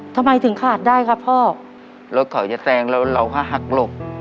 ทำไมถึงขาดได้ครับพ่อรถเขาจะแซงแล้วเราก็หักหลบ